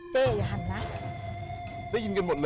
เจ๊ยาหันนะ